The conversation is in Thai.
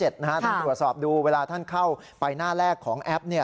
ท่านตรวจสอบดูเวลาท่านเข้าไปหน้าแรกของแอป